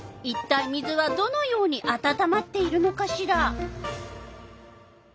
いったい水はどのようにあたたまっているのかしら。